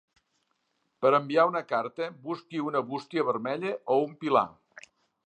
Per enviar una carta, busqui una bústia vermella o un pilar